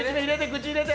口入れて。